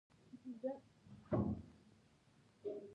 وګړي د افغانستان د انرژۍ سکتور یوه ډېره مهمه برخه ده.